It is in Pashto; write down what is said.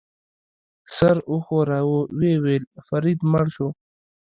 سر وښوراوه، ویې ویل: فرید مړ شو.